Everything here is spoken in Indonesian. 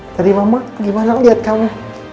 tadi mama lagi malam liat kamu